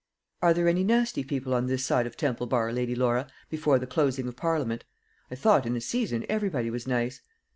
"Are there any nasty people on this side of Temple bar, Lady Laura, before the closing of Parliament? I thought, in the season everybody was nice."